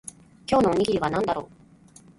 今日のおにぎりは何だろう